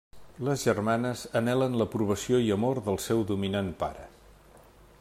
Les germanes anhelen l'aprovació i amor del seu dominant pare.